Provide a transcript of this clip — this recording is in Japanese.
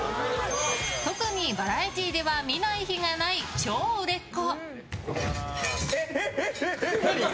特にバラエティーでは見ない日がない超売れっ子！